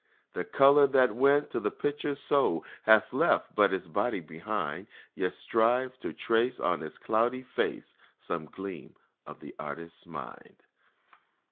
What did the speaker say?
The color that went to the picture's soul Has left but its body behind; Yet strive to trace on its cloudy face Some gleam of the artist's mind.